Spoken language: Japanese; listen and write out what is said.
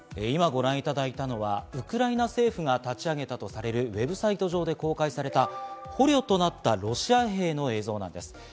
今、ご覧いただいたのはウクライナ政府が立ち上げたとされるウェブサイト上で公開された捕虜となったロシア兵の映像です。